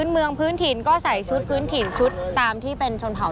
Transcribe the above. ไม่ได้เข้า